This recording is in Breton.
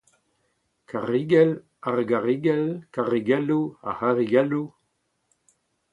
karrigell, ar garrigell, karrigelloù, ar c’harrigelloù